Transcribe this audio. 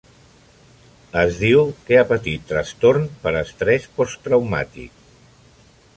Es diu que ha patit trastorn per estrès posttraumàtic.